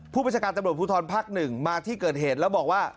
ประชาการตำรวจภูทรภักดิ์๑มาที่เกิดเหตุแล้วบอกว่า